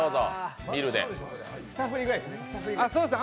２振りぐらいですね？